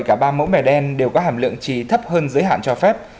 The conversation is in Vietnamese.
cả ba mẫu mẻ đen đều có hàm lượng trì thấp hơn giới hạn cho phép